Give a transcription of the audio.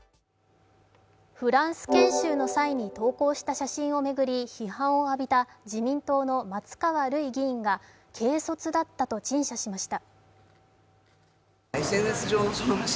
フランス研修の際に投稿した写真を巡り批判を浴びた自民党の松川るい議員が軽率だったと陳謝しました。